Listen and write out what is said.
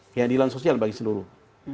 keadilan sosial bagi seluruh